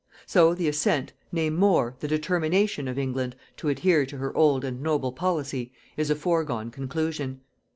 So, the assent, nay more, the determination of England to adhere to her old and noble policy, is a foregone conclusion.